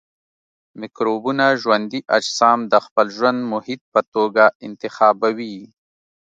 مکروبونه ژوندي اجسام د خپل ژوند محیط په توګه انتخابوي.